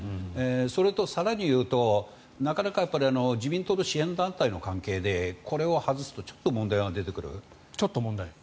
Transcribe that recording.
それと更に言うと、なかなか自民党の支援団体の関係でこれを外すとちょっと問題が出てくる。